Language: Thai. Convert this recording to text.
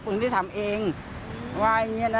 ปืนที่ทำเองอืม๓๘๑๐๐๐๐